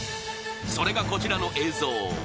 それがこちらの映像。